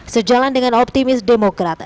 sejalan dengan optimis demokrat